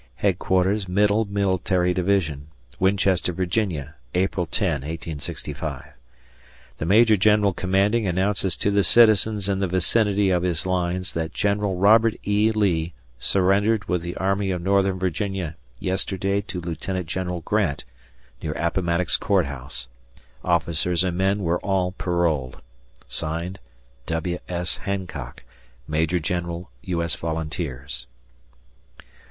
Headquarters Middle Military Division, Winchester, Va., April 10, 1865. The Major General Commanding announces to the citizens in the vicinity of his lines that General Robert E. Lee surrendered with the Army of Northern Virginia yesterday to Lieut. General Grant near Appomattox Court House. ... Officers and men were all paroled. ... (Signed) W. S. Hancock, Maj. Genl. U. S. Vols.